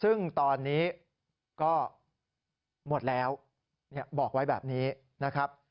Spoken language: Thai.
ซึ่งตอนนี้ก็หมดแล้วบอกไว้แบบนี้นะครับ